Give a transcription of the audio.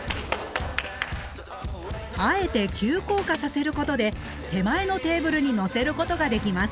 あえて急降下させることで手前のテーブルにのせることができます。